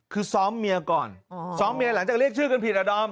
คือซ้อมเมียก่อนซ้อมเมียหลังจากเรียกชื่อกันผิดอะดอม